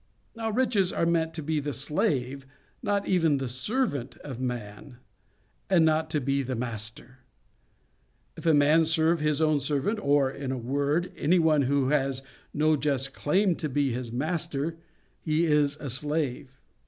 Now, riches are meant to be the slave—not even the servant of man, and not to be the master. If a man serve his own servant, or, in a word, any one who has no just claim to be his master, he is a slave.